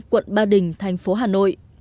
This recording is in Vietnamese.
quận ba đình thành phố hà nội